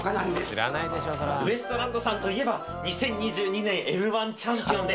ウエストランドさんといえば２０２２年Ｍ−１チャンピオンで。